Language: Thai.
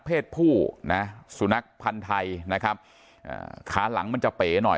เพศผู้นะสุนัขพันธ์ไทยนะครับอ่าขาหลังมันจะเป๋หน่อย